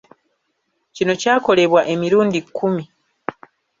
Kino kyakolebwa emirundi kkumi.